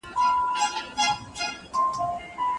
املا د ذهني انځورونو په جوړولو کي مرسته کوي.